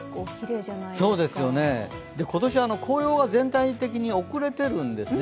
今年、紅葉が全体的に遅れているんですね。